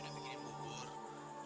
nanti nanti udah bikinin bubur